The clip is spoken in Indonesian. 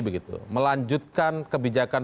begitu melanjutkan kebijakan